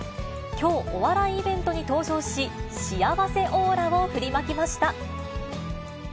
きょう、お笑いイベントに登場し、幸せオーラを振りまきました。